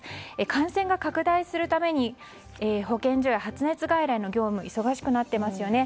感染が拡大するたびに保健所や発熱外来の業務忙しくなっていますよね。